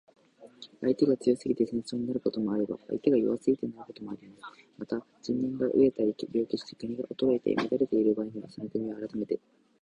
相手が強すぎて戦争になることもあれば、相手が弱すぎてなることもあります。また、人民が餓えたり病気して国が衰えて乱れている場合には、その国を攻めて